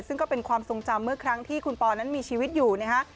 ซึ่งก็เป็นความทรงจำเมื่อครั้งที่คุณปอนั้นมีชีวิตอยู่นะฮะ